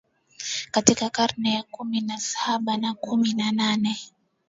katika karne ya kumi na Saba na kumi na nane